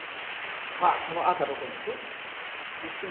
さあこの赤どこに置く？